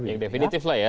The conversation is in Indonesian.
yang definitif lah ya